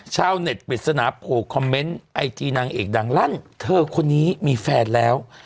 ชาวเน็ตปริศนาโผล่คอมเมนต์ไอจีนางเอกดังลั่นเธอคนนี้มีแฟนแล้ว